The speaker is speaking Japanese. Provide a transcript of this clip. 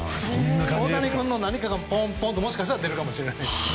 大谷君の何かが今後もしかしたら出るかもしれないけど。